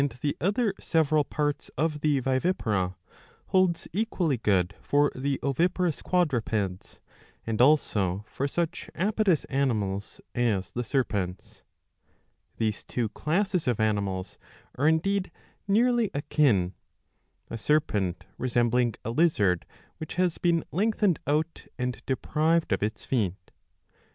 the other several parts of the vivipara, holds equally good for the oviparous quadrupeds, and also for such apodous animals as the Serpents. These two classes of animals are indeed nearly akin, a serpent resembling a lizard which has been lengthened out and deprived of its feet.